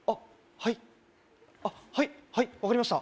はいあっはいはい分かりました